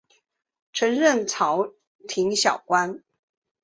曾任朝廷小官。